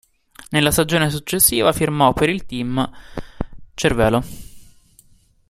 Nella stagione successiva firmò per il team Cervélo.